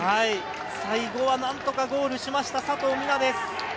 最後は何とかゴールしました、佐藤水菜です。